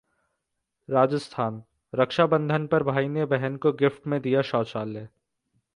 राजस्थान: रक्षा बंधन पर भाई ने बहन को गिफ्ट में दिया शौचालय